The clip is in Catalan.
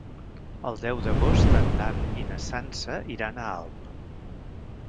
El deu d'agost en Dan i na Sança iran a Alp.